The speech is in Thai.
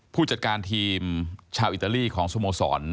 ผู้จัดการทีมชาวอิตาลีของสโมสร